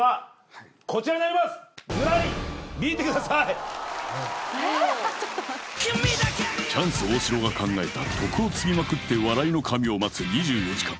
えっちょっと待ってチャンス大城が考えた徳を積みまくって笑いの神を待つ２４時間